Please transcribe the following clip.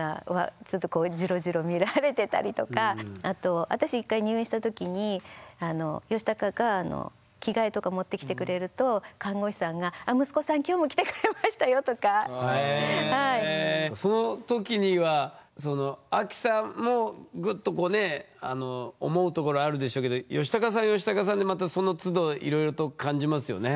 ちょっとこうあと私１回入院した時にヨシタカが着替えとか持ってきてくれるとえその時にはそのアキさんもグッとこうね思うところあるでしょうけどヨシタカさんはヨシタカさんでまたそのつどいろいろと感じますよね？